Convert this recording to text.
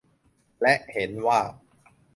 และเห็นว่า